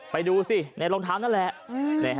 ไปดูสิในรองเท้านั่นแหละ